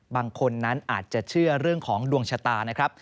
บางคนนั้นอาจจะเชื่อเรื่องของดวงชะตานะครับ